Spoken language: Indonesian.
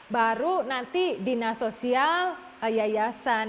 baru nanti dinas sosial yayasan